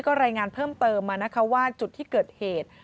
ก็รายงานเพิ่มเติมมานะคะว่าจุดที่เกิดเหตุ